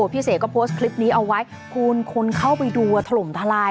พี่เสกก็โพสต์คลิปนี้เอาไว้คุณคนเข้าไปดูถล่มทลาย